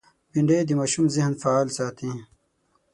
بېنډۍ د ماشوم ذهن فعال ساتي